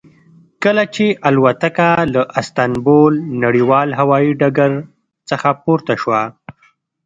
کله چې الوتکه له استانبول نړیوال هوایي ډګر څخه پورته شوه.